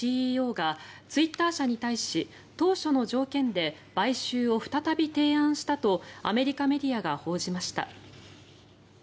ＣＥＯがツイッター社に対し当初の条件で買収を再び提案したとアメリカメディアが報じました。